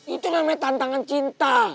itu namanya tantangan cinta